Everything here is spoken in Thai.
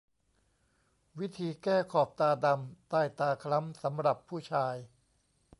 วิธีแก้ขอบตาดำ ใต้ตาคล้ำสำหรับผู้ชาย